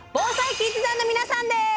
キッズ団の皆さんです！